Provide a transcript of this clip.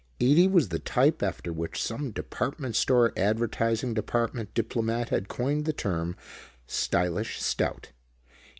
Ede was the type after which some department store advertising department diplomat had coined the term "stylish stout."